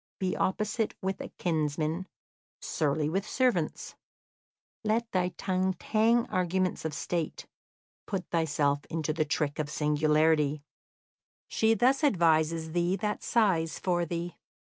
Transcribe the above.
Be opposite with a kinsman, surly with servants; let thy tongue tang arguments of State; put thyself into the trick of singularity; she thus advises thee that sighs for thee.